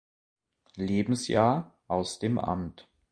Lebensjahr aus dem Amt.